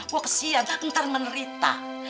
gue kesian ntar menerita